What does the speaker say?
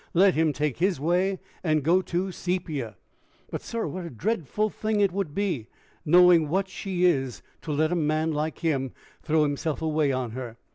Let him take his way, and go to Sepia." "But, sir, what a dreadful thing it would be, knowing what she is, to let a man like him throw himself away on her!"